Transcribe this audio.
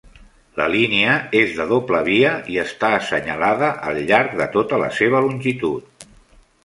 La línia és de doble via i està assenyalada al llarg de tota la seva longitud.